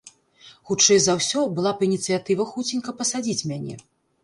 Хутчэй за ўсё, была б ініцыятыва хуценька пасадзіць мяне.